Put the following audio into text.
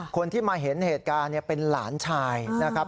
คนที่มาเห็นเหตุการณ์เป็นหลานชายนะครับ